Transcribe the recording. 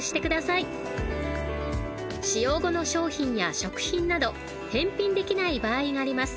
［使用後の商品や食品など返品できない場合があります］